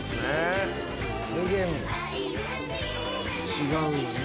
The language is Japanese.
違うよね。